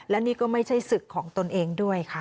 และนี่ก็ไม่ใช่ศึกของตนเองด้วยค่ะ